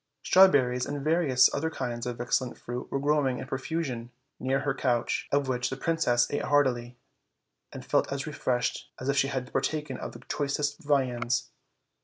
Strawberries and various other kinds of excellent fruit were growing in profusion near her couch, of which the princess ate heartily, and felt as re freshed as if she had partaken of the choicest viands.